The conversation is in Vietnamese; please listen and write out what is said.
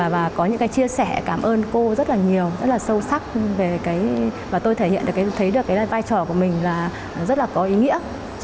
và có những chia sẻ cảm ơn cô rất là nhiều rất là sâu sắc và tôi thấy được vai trò của mình rất là có ý nghĩa